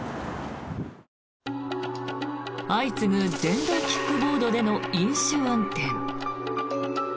相次ぐ電動キックボードでの飲酒運転。